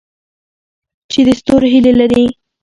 چې د ستورو هیلې لري؟